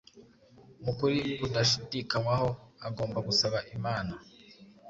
Mu kuri kudashidikanywaho, agomba gusaba Imana.